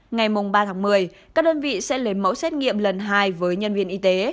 ngày ba tháng một mươi các đơn vị sẽ lấy mẫu xét nghiệm lần hai với nhân viên y tế